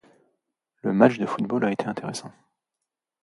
Le match de football a été intéressant.